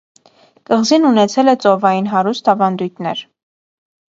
Կղզին ունեցել է ծովային հարուստ ավանդույթներ։